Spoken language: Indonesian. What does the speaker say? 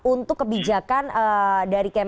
untuk kebijakan dari kemenhub